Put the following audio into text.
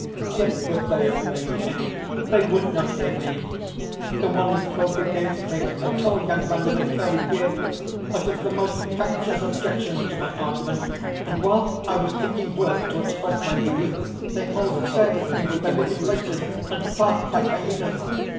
"Yet would they have made any? They would not hear me! The one who spoke against me a tall young man with a curly beard uttered the most captious objections to my argument; and while I was seeking words to express my views they all stared at me with their wicked faces, and barked like hyenas.